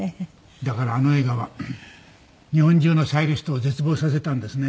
だからあの映画は日本中のサユリストを絶望させたんですね。